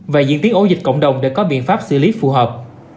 và diễn biến ổ dịch cộng đồng để có biện pháp xử lý phù hợp